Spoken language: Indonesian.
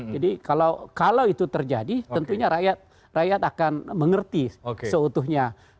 jadi kalau itu terjadi tentunya rakyat akan mengerti seutuhnya